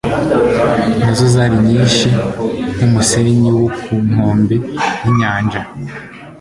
na zo zari nyinshi nk'umusenyi wo ku nkombe y'inyanja